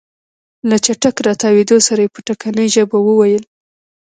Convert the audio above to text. له چټک راتاوېدو سره يې په ټکنۍ ژبه وويل.